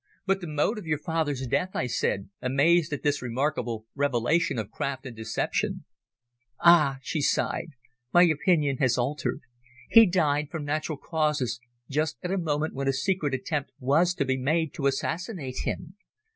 "But the mode of your father's death?" I said, amazed at this remarkable revelation of craft and deception. "Ah!" she sighed, "my opinion has altered. He died from natural causes just at a moment when a secret attempt was to be made to assassinate him.